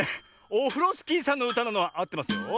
オフロスキーさんのうたなのはあってますよ。